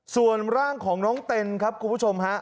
ส่วนร่างของน้องเต็นครับคุณผู้ชมฮะ